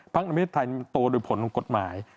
พักในเมืองไทยโตโดยผลกฎหมาย